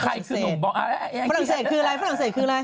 ฝรั่งเศสคืออะไรฝรั่งเศสคืออะไร